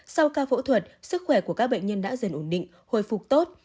sau ca phẫu thuật sức khỏe của các bệnh nhân đã dần ổn định hồi phục tốt